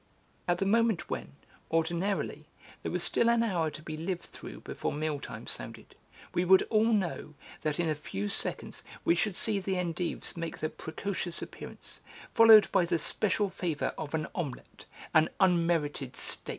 At the moment when, ordinarily, there was still an hour to be lived through before meal time sounded, we would all know that in a few seconds we should see the endives make their precocious appearance, followed by the special favour of an omelette, an unmerited steak.